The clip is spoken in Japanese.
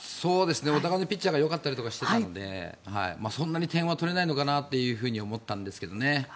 お互いにピッチャーがよかったりしていたのでそんなに点は取れないのかなと思ったんですけどね。